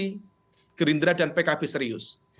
yang diumumkan adalah pasangan capres capres serius